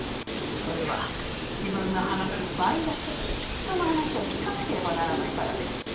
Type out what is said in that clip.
それは自分の話す倍だけ他人の話を聞かなければならないからです。